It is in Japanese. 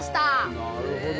なるほど。